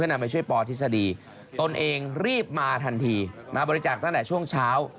ตัวเองรีบมาทันทีมาบริจาคตั้งแต่ช่วงเช้า